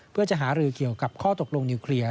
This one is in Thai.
เพื่อจะหารือเกี่ยวกับข้อตกลงนิวเคลียร์